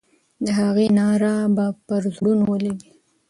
د هغې ناره به پر زړونو ولګي.